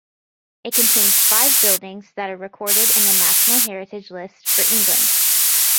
It contains five buildings that are recorded in the National Heritage List for England.